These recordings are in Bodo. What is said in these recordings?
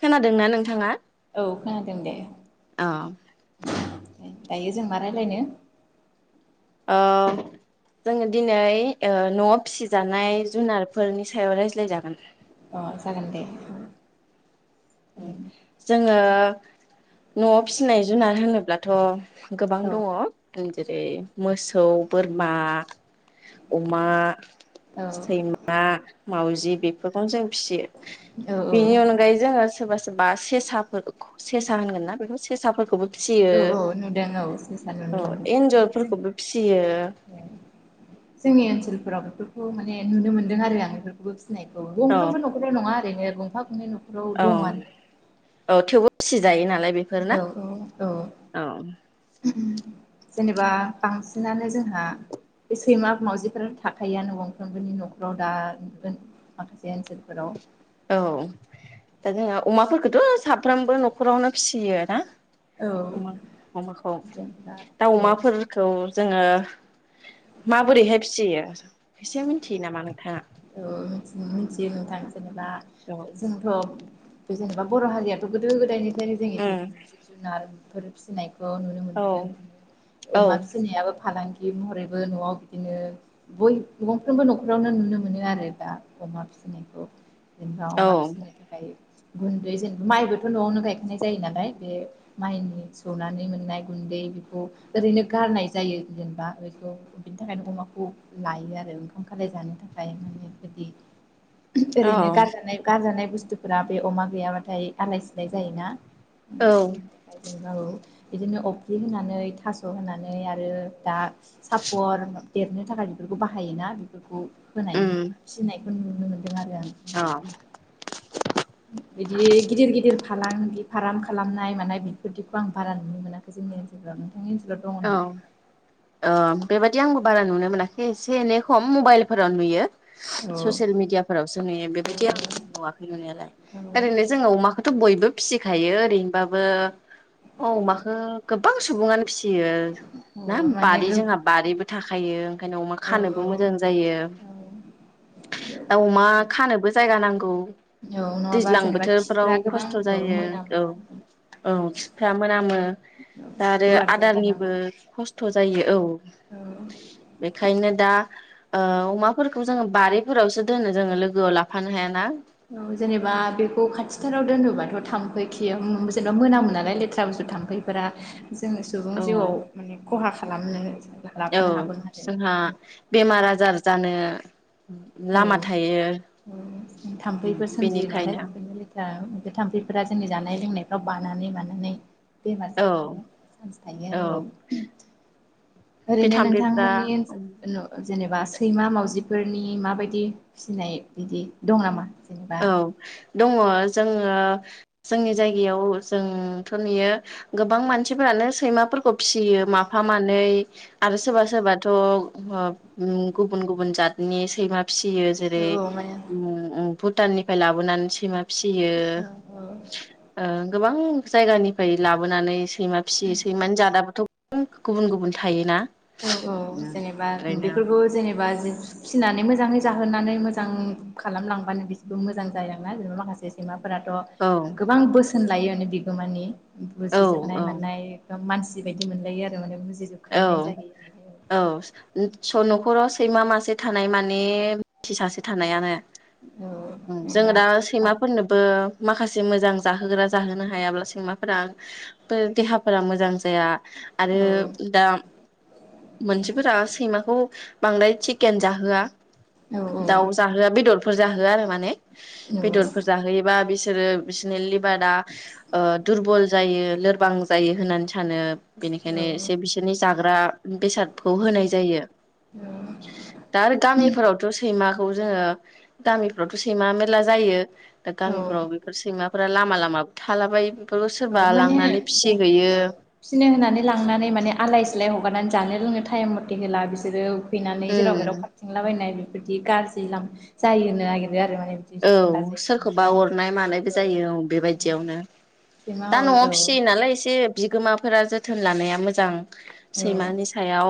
खोनादोंना नोंथाङा? औ खोनादों दे औ। दायो जों मा रायलायनो? अं जोङो दिनै ओ न'आव फिसिजानाय जुनारफोरनि सायाव रायज्लायजागोन। अ जागोन दे। जोङो न'आव फिनाय जुनार होनोब्लाथ' गोबां औ दङ उम। जेरै मोस मोसौ, बोरमा, अमा, सैमा मावउजि बेफोरखौनो जों फिसियो औ बिनि औ अनगायै जोङो सोरबा सोरबा सेसाफोर सेसा होनगोनना बेखौ सेसाफोरखौबो फिसियो औ नुदों औ सेसा नुनो औ मोनदों थारैनो एन्जरफोरखौबो जों फिसियो। जोंनि ओनसोलफोराव बेफोरखौ माने ने नुनो मोनदों आरो आं बेफोरखौबो फिनायखौ औ गंफ्रोमबो नखराव नङा। बिदिनो गंफा गंनै न'खराव औ दं आरो औ थेवबो फिसि जायोना। औ औ औ। जेनेबा बांसिनानो जोंहा बे सैमा मावजिफोर थाखायोनो गंफ्रोमबोनि न'खराव दा माखासे ओनसोलफोराव औ दा जोंहा अमाफोरखौथ' साफ्रोमबो न'खरावनो फिसियो ना औ अमा अमाखौ जेनेबा दाउ औ अमाफोरखौ जोङो माबोरैहाय फिसियो एसे मिथियो नामा नोंथाङा? औ मिथियो नोंथां। जेनेबा औ जोंथ' बे जेनेबा बर' हारियाबो गोदो गोदायनि फ्राय जोंइदि उम जिब जुनार। फोर फिसिनायखौ खौनुनो औ मोनबोदों औ अमा फिसिनायाबो फालांगि गि महरैबो न'आव बिदिनो बय गंफ्रोमबो न'खरावनो नुनो मोनो। मोनो आरो दा अमा फिसिनायखौ जोंना अमा औ फिसिनो थाखाय गुन्दै जेनेबा माइबोथ' न'आवनो गायखांनाय जायो नालाय बे माइनि सौनानै मोननाय गुन्दै बेखौ ओरैनो गारनाय जायो जेनेबा बेखौ बेनि थाखायनो अमाखौ लायो आरो ओंखाम खालाय जानो थाखाय। [unintelligible] बेफोरबायदि। औ ओरैनो गारजानाय गारजानाय बु स्थुफोरा बे अमा गैयाबाथाय आलाय सिलाय जायोना। [inaudible] औ बिदिनो अफ्रि होनानै थास' होनानै आरो दा सापर देरनो थाखाय बेफोरखौ बाहायोना बेफोरखौ होनानै उम फिसिनाय। नुनो मोनो। आरो औ आं [unintelligible] बिदि गिदिर गिदिर [unintelligible] फालांगि फार्म खालामनाय मानाय बेफोर बायदिखौ आं बारा नुनो मोनाखै जोंनि ओनसोलफ्राव। नोंथांनि ओनसोलाव दङ औ नामा? ओ बेबायदि आंबो बारा नुनो मोनाखै एसे एनै खम मबाइलफोराव नुयो। औ ससियेल मिडियाफोरावसो नुयो बेबायदि आं औ नुवाखै नुनायालाय ओरैनो औ जोङो अमाखोथ' बयबो फिसिखायो ओरैनोबाबो अमाखो गोबां सुबुङानो। फियो ना औ माने बारि गो जोंहा बारिबो थाखायो ओंखायनो अमा औ खानोबो मोजां जायो औ दा अमा खानोबो जायगा नां औ नङाबा दैज्लां जेनेबा बोथोरफ्राव खिफ्रा गोबां खस्थ' औ जायो मोनामो औ ना औ खिफ्रा मोनामो दा आरो गुवार जायगा आदारनिबो नांगौ खस्थ' जायो औ औ बेखायनो दा ओ अमाफोरखौ जोङो बारिफोरावसो दोनो जोङो लोगोआव लाफानो हायाना। औ जेनेबा बेखौ खाथिथाराव दोनोबाथ' थाम्फै खियो जेनेबा मोनामोन नालाय लेथ्रा बुस्थु थाम्फैफोरा जोङो सुबुं औ जिउआव माने खहा खालामनो औ लाबोनो हागौ जोंहा आरो बेमार आजार जानो लामा औ थायो। थाम्फैफोर सोमजियो नालाय बेनिखायनो बेफोरनो लेथा थाम्फैफोरा जोंनि जानाय लोंनाय बानानै मानानै बेमार औ साबफानो चान्स थायो आरो औ बे ओरैनो थाम्फैफ्रा नोंथांमोननि ओ [unintelligible] जेनेबा सैमा मावजिफोरनि माबायदि फिनाय बिदि दं नामा? जेनेबा औ दङ जोङो जोंनि जायगायाव जोंथ' नुयो गोबां मानसिफोरानो सैमाफोरखौ फियो माफा मानै आरो सोरबा सोरबाथ' ओ गुबुन गुबुन जातनि सैमा फियो जेरै औ माने [unintelligible] भुटाननिफ्राय लाबोनानै सैमा फियो औ औ ओ गोबां जायगानिफ्राय लाबोनानै सैमा फिसियो सैमानो जादाबोथ' गुबुन गुबुन थायोना औ औ जेनेबा ओरैनो बेफोरखौ जेनेब बा जि फिसिनानै मोजाङै जाहोनानै मोजां खालामलांबानो बिसोरबो मोजां जायोना जेनेबा माखासे सैमा फोराथ' औ गोबां बोसोन लायो बिगोमानि औ बुजिजोबनाय औ मोननाय मानस बेबायदि मोनलायो आरो माने बु औ जिजोबखायनाय जाहैयो औ स न'खराव सैमा मासे थानाय माने मिथि सासे थानायानो औ ओं जोङो जेनेबा दा औ सैमाफोरनोबो माखासे मोजां जाहोग्रा जाहोनो हायाब्ला सैमाफोरा देहाफोरा मोजां जाया आरो औ मानसिफोरा सैमाखौ बांद्राय चिकेन जाहोआ औ दाउ जाहोआ बेदरफोर जाहोआ आरो माने बेदरफोर औ जाहोयोबा बिसि बिसोरो बिसिनो लिब बारा ओ दुरबल जायो लोरबां जायो होननानै सानो बेनिखायनो एसे बिस जाग्रा बेसादखौ होनाय जायो दा आरो गामिफोरावथ' सैमा खौ जोङो गामिफ्रावथ' सैमा मेरला जायो दा औ गामिफोराव बेफोर सैमा फुरा लामा लामा थालाबायो बेफोरखौ सोरबा औ माने लांनानै फिसिहैयो औ फिसिनो होनानै लांनानै माने आलाय सिलाय हगारनानै जानो लोंनो टाइम मथे होला बिसोरो उखैनानै जेराव उम मेराव खाारथिंलाबायनाय बिदि गाज्रि लां जायोनो आ औ सोरखौबा अरनाय मानायबो जायो औ बेबायदियावनो सैमा दा अर न'आव औ फिसियो नालाय एसे बि गोमाफोरा जोथोन लानाया मोजां औ सैमानि सायाव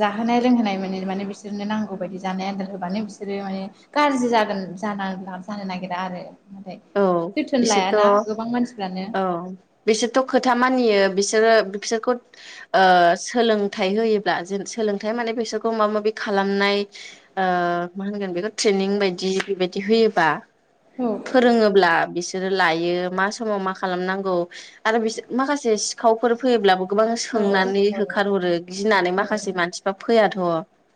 जाहोनाय लोंहोनाय मोनो माने बिस बिसोरनो नांगौ बायदि जानाय आन्दार होबानो बिसोरो माने गाज्रि जागोन जानो जानो नागिरा आरो। नाथाय औ जोथोन बिसोरथ' लायाना गोबां मानसिफ्रानो औ बिसोरथ' खोथा मानियो बिसोरो बिसोरखौ ओ सोलोंथाइ होयोब्ला जेन सोलोंथाइ माने बिसोरखौ माबा माबि खालामनाय मा होनगोन बेखौ ट्रेनिं बायदि बेबायदि होयोबा औ। फोरोङोब्ला बिसोरो लायो मा समाव मा खालामनांगौ। आरो बिसोर माखासे सिखावफोर फैयोब्लाबो गोबां औ सोंनानै होखारहरो गिनानै औ माखासे मानसिफ्रा फैयाथ'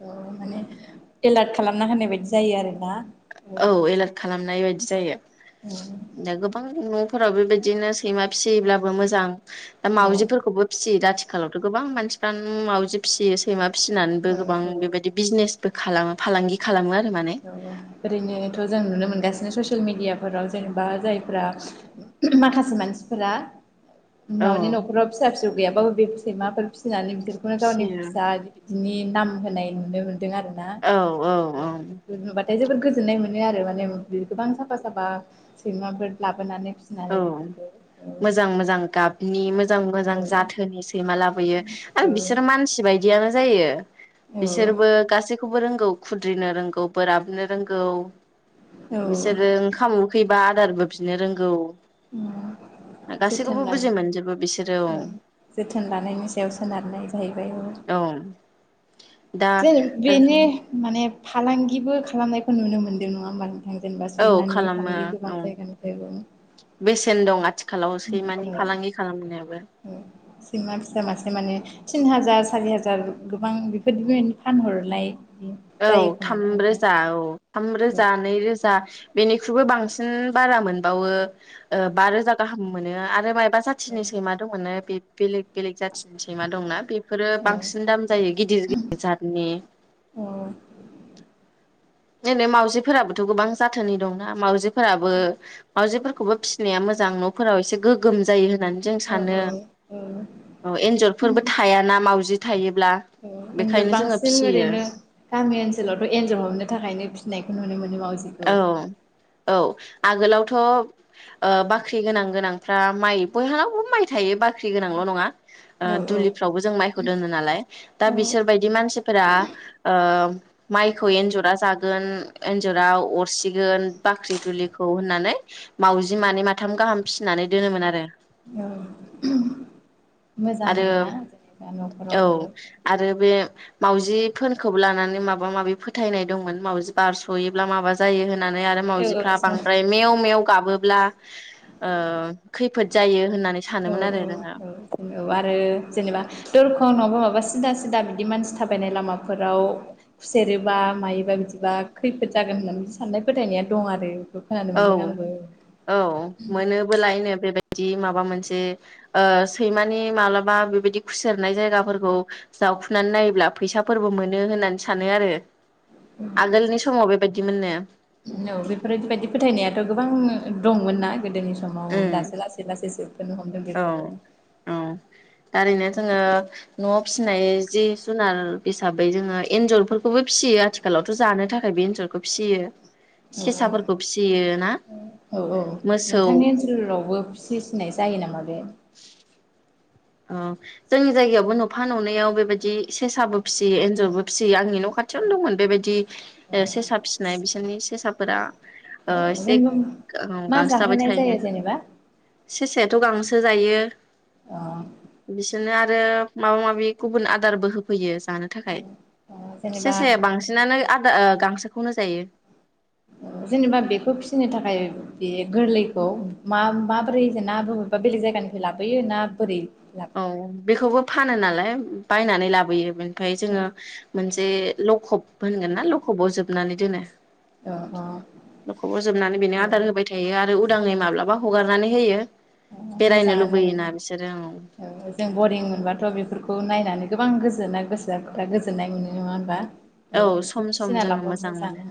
औ माने एलार्ट खालामना होनाय बायदि जायो आरोना। औ एलार्ट खालामनाय बायदि। जायो। औ नों गोबांनो। न'खराव बेबायदिनो सैमा फिसियोब्लाबो मोजां। दा औ मावजिफोरखौबो फिसियो दा। आथिखालावथ' गोबां मानसिफ्रानो मावजि। फिसियो सैमा फिसिनानैबो गोबां औ बेबायदि बिजनेसबो खालामो। फालांगि खालामो। आरो माने औ औ। ओरैनोथ' जों नुनो मोनगासिनो ससियेल मिडियाफोराव जेनेबा जायफ्रा माखासे मानसिफोरा [inaudible] औ गैयाबो बे सैमाफोर फिसि फिसिनानै बिसोरखौनो गावनि फिसियो फिसा बिनि नाम होनाय नुदों मोन औ औ औ। दा जोबोद गोजोन्नाय मोनो आरो माने गोबां साफा साफा सैमाफोर लाबोनानै। औ फिसिनानै बेफोरखौ मोजां मोजां गाबनि मोजां मोजां औ जाथोनि सैमा लाबोयो आरो औ बिसोर मानसि बायदियानो जायो। औ औ बिसोरबो गासैखौबो रोंगौ। खुद्रिनो रोंगौ बोराबनो रोंगौ। औ बिसोरो ओंखाम उखै बा आदारबो बिनो रोंगौ। गासैखौबो जोथोन बुजि मोनजोबो बिसोरो औ जोथोन लानायनि सायाव सोनारनाय जाहैयो। औ। दा जेन बेनि माने। फालांगिबो खालामनायखौ नुनो मोन्दों नङा होमबा। जेनेबा औ सैमानि खालामो फालांगि औ गोबां जायगानिफ्रायबो बेसेन दं आथिखालाव सैमानि औ फालांगि खालामनायाबो। औ सैमा फिसा मासे माने तिन हाजार, सारि हाजार गोबां बेफोरबायदिनो फानहरनाय। औ जायो खोमा थाम ना नोंथां रोजा औ थाम रोजा नै रोजा। बेनिख्रुइबो बांसिन बारा मोनबावो, बा रोजा गाहाम मोनो आरो। माबा जाथिनि सैमा दंमोननो बे बेलेग बेलेग जाथि। सैमा दंना? बेफोरो औ बांसिन दाम जायो गिदिर गिदिर जाथनि। अ। नै माउजिफोराबोथ' गोबां जाथोनि दंना मावाजि। फोराबो मावाजि। खौबो फिसिनाया मोजां न'फोराव एसे गोगोम जायो। होननानै जों औ सानो औ औ एन्जरफोरबो थायाना मावजि थायो औ एन्जर बांसिन ओरैनो गामि ओनसोलावथ' एन्जर हमनो थाखायनो सिनायखौ नुनो मोनो। मावजिखौ औ औ आगोलावथ' ओ बाख्रि गोनां गोनांफ्रा, माइ बयहाबो माइ थायो बाख्रि गोनांल' नङा। ओ औ औ दुलिफ्रावबो जों माइखौ दोनो नालाय दा औ बिसोरबायदि मानसिफोरा ओम माइखौ एन्जरा जागोन एन्जराव सिगोन बाख्रि दुलिखौ होननानै मावउजि मानै माथाम गाहाम फिसिनानै दोनोमोन आरो। औ आरो मोजांबो ना जेनेबा न'खराव औ आरो बे माउजिफोरखौ लानानै माबा माबि फोथायनाय दंमोन, मावजि बारस'योब्ला माबा जायो होन नानै आरो औ मावजिफ्रा बांद्राय मेव मेव गाबो ब्ला ओ खैफोद जायो होननानै औ सानोमोन आरो जोङो। औ आरो जेनेबा दरखं नङाबा माबा सिदा सिदा बिदि मानसि थाबायनाय लामाफोराव, खुसेरोबा मायोबा बिदिबा खैफोद जागोन होननानै बिदि साननाय फोथायनाया दं आरो। खोनानो औ मोन्दों आंबो औ मोनोबो लायनो बेबाय बिदि माबा मोनसे, ओ सैमानि मालाबा बेबायदि खुसेरनाय जायगाफोरखौ जावखुनानै नायोब्ला फैसाफोरबो मोनो होननानै सानो आरो। आगोलनि समाव बेबायदिमोननो। औ बेफोरबायदि बायदि फोथायनायाथ' गोबां दंमोनना? गोदोनि समाव उम दासो लासै लासै जोबफोनो हमदों बेफोरो। दारैनो जोङो, न'आव फिसिनाय जि जुनार हिसाबै जोङो एन्जरफोरखौबो फिसियो आथिखालावथ' जानो थाखाय बे एन्जरखौ फिसियो। औ सेसाफोरखौ फिसियो ना? मोसौ ओनलावबो फिसि सिननाय जायो नामा बे? अ जोंनि जायगायावबो न'फा न'नैयाव बेबायदि सेसाबो फिसियो एन्जरबो फिसियो आंनि न' खाथियावनो दंमोन बेबायदि ओ सेसा फिसिनाय बिसोरनि सेसाफोरा ओ एसे मा गांसो जाबाय जाहोनाय थायो। जायो जेनेबा सेेसायाथ' गांसो जायो। अ बिसोरनो आरो माबा माबि गुबुन आदारबो होफैयो जानो थाखाय जेनेबा सेसाया बांसिनानो आदा ओ गांसोखौनो जायो। ओ जेनेबा बेखौ फिसिनो थाखाय बे गोरलैखौ मा-माबोरै जे ना बबा बेलेग जायगानिफ्राय लाबोयो ना बोरै औ लाबोयो बेखौबो फानो नालाय। बायनानै लाबोयो। ओफाय जोङो मोनसे जे लखब होनगोन ना लखबाव जोबनानै दोनो, अ अ न'खोबो जोबनानै बेनो आदार होबाय थायो आरो उद उदाङै माब्लाबा हगारनानै होयो। औ बेरायनो मोजाङानो लुबैयोना बिसोरो औ औ जों बरिं मोनबाथ' बेफोरखौ नायनानै गोबां गोजोननाय गोसोफ्रा गोजोननाय मोनो नङा होनबा, ओ औ बेखौ सम सम फिसिना जोङो लाबा मोजां मोनो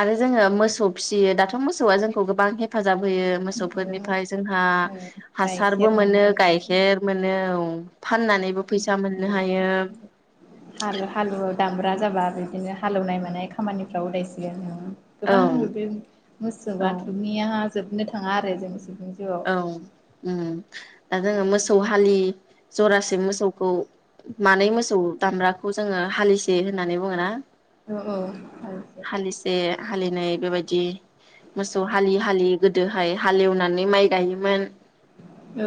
आरो जोङो मोसौ फिसियो दाथ' मोसौआ जोंखौ गोबां हेफाजाब हेफाजाब होयो औ मोसौफोरनिफ्राय जोंहा हासारबो मोनो गाइखेर मोनो औ फाननानैबो फैसा मोननो हायो। हाल हालुवा दामब्रा जाबा बिदिनो हालेवनाय मानाय खामानिफ्राव उदायसिगोन औ गोबां बिदि औ मोसौ थुमिया जोबनो थाङा आरो जोंनिसिम औ उम दा जोङो मोसौ हालि जरासे मोसौखौ मानै मोसौ दामब्राखौ जोङो हालिसे होननानै बुङ ना? अ औ हालिसे हालिनै बेबायदि मोसौ हालि हालि गोदोहाय हालेवनानै माइ गायोमोन औ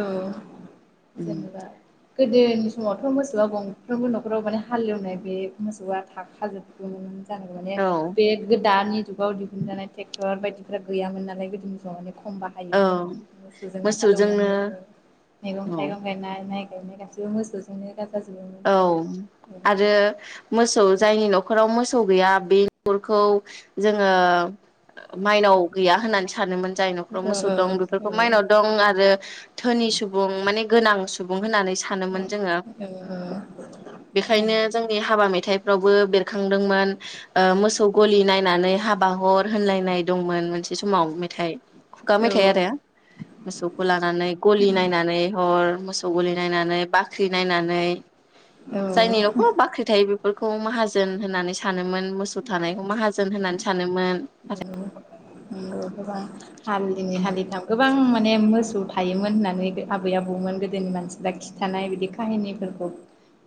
जेनेबा गोदोनि समावथ' मोसौआ गंफ्रोमबो न'खराव माने हालेवनाय बे मोसौआ थाखा जोबगौमोन औ [unintelligible] बे गोद दानि जुगाव दिहुनजानाय टेक्टर बायदिफ्रा गैयामोन नालाय गोदोनि समाव खम औ बाहायोमोन मोसौजोंनो हालौवनानै मैगं औ थाइगं गायनाय माइ गायनाय गासिबो मोसौजोंनो जाजोबोमोन औ आरो मोसौ जायनि न'खराव मोसौ गैया बे नखरखौ जोङो माइनाव गैया होननानै सानोमोन जाय न'खराव औ औ मोसौ औ दं बेफोरखौ माइनाव दं आरो धोनि सुबुं माने गोनां सुबुं होननानै सानोमोन जोङो। बेखायनो जोंनि हाबा मेथाइ रावबो बेरखांदोंमोन मोसौ गलि नायनानै हाबा हर होनलायनाय दंमोन मोनसे बे समाव मेथाइ खुगा औ मेथाइ आरो मोसौखौ लानानै गलि नायनानै हर मोसौ गलि नायनानै बाख्रि नायनानै औ जायनि औ नखराव बाख्रि थायो बेफोरखौ माहाजोन होननानै सानोमोन। मोसौ थानायखौ माहाजोन होननानै सानोमोन। नंगौ गोबां हालिनै हालिथाम गोबां माने मोसौ थायोमोन होननानै आबै आबौमोन गोदोनि मानसिफ्रा खिथानाय बिदि काहिनिफोरखौ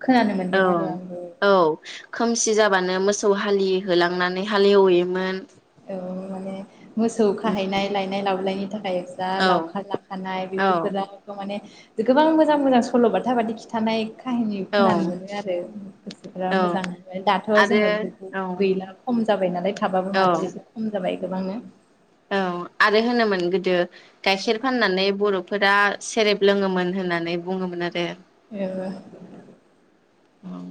खोनानो मोन्दों औ आरो आंबो औ खोमसि जाब बानो मोसौ हालि होलांनानै हालेवहैयोमोन। औ माने मोसौ खाहैनाय लायनाय लाबोलायनायनि थाखाय औ लावखार लाखानाय औ बिदिफोरा माने गोबां मोजां मोजां सल'बाथा बादि खिथानाय काहिनि औ खोनानो मोनो आरो गोसोफ्रा औ मोजां मोनबाय दाथ जोङो आरो बेफोरखौ औ गैला खम जाबाय नालाय थाबाबो औ मानो खम जाबाय गोबांनो। औ आरो होनोमोन गोदो गाइखेर फाननानै बरफोरा सेरेब लोङोमोन होननानै बुङोमोन आरो। [unintelligible] अ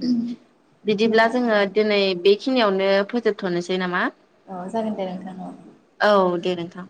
बिदिब्ला जोङो मोजाङानो दिनै बे बेखिनियावनो फोजोबथनोसै नामा? औ जागोन दे नोंथां अ। औ दे नोंथां